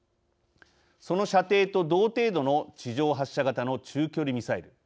その射程と同程度の地上発射型の中距離ミサイル。